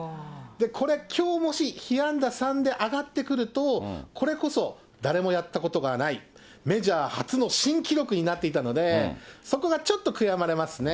これ、きょうもし被安打３で上がってくると、これこそ誰もやったことがない、メジャー初の新記録になっていたので、そこがちょっと悔やまれますね。